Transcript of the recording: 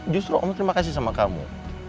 justru om terima kasih sama kamu